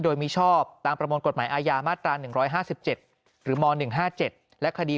โดยมีชอบตามประมวลกฎหมายอาญามาตรา๑๕๗หรือม๑๕๗และคดี